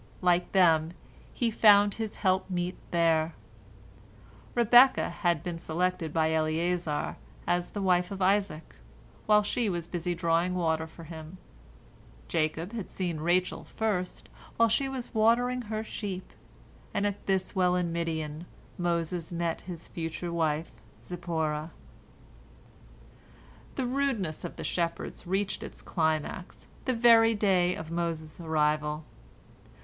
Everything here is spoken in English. Like them he found his helpmeet there. Rebekah had been selected by Eliezer as the wife of Isaac, while she was busy drawing water for him; Jacob had seen Rachel first, while she was watering her sheep, and at this well in Midian Moses met his future wife Zipporah. The rudeness of the shepherds reached its climax the very day of Moses' arrival.